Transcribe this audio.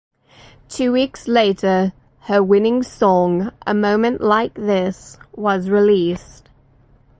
Two weeks later her winning song, "A Moment Like This", was released.